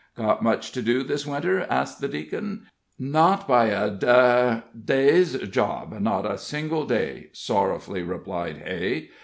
"Got much to do this winter?" asked the Deacon. "Not by a d day's job not a single day," sorrowfully replied Hay.